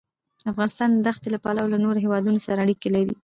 افغانستان د دښتې له پلوه له نورو هېوادونو سره اړیکې لري.